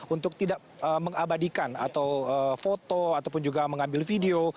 untuk tidak mengabadikan atau foto ataupun juga mengambil video